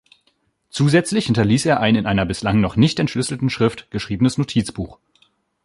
Zusätzlich hinterließ er ein in einer bislang noch nicht entschlüsselten Schrift geschriebenes Notizbuch.